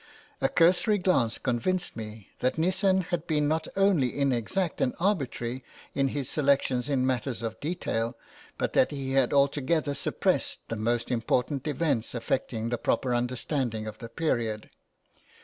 A cursory glance convinced me that Nissen had been not only inexact and arbitrary in his selections in matters of detail, but that he had altogether suppressed the most important events affecting the proper understanding of the period.